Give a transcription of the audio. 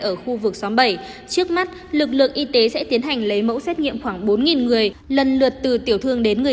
ở khu vực xóm bảy trước mắt lực lượng y tế sẽ tiến hành lấy mẫu xét nghiệm khoảng bốn người